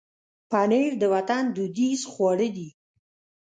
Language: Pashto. پنېر د وطن دودیز خواړه دي.